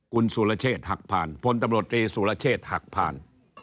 คุณสุรเชษฐ์หักผ่านพลตำรวจตรีสุรเชษฐ์หักผ่าน